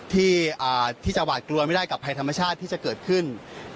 ที่จะหวาดกลัวไม่ได้กับภัยธรรมชาติที่จะเกิดขึ้น